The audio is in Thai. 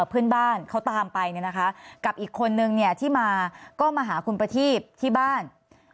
ภื่นบ้านเขาตามไปนะคะกับอีกคนนึงเนี่ยที่มาก็มาหาคุณประทีฟที่บ้าน